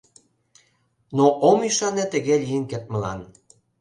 — Но ом ӱшане тыге лийын кертмылан.